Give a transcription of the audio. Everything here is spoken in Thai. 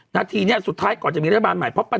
นาทีนี้สุดท้ายก่อนจะมีรัฐบาลใหม่